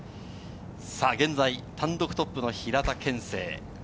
現在、単独トップの平田憲聖。